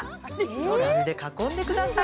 丸で囲んでください。